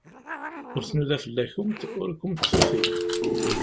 Ur tnuda fell-akent, ur kent-tufi.